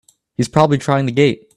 He's probably trying the gate!